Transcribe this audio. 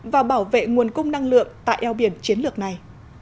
và bảo vệ nguồn cung năng lượng tại eo biển chiến lược này